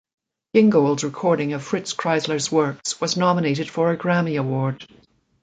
Gingold's recording of Fritz Kreisler's works was nominated for a Grammy Award.